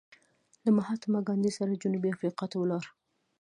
له مهاتما ګاندې سره جنوبي افریقا ته ولاړ.